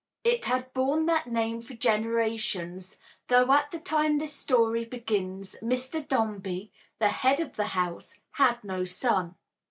It had borne that name for generations, though at the time this story begins Mr. Dombey, the head of the house, had no son.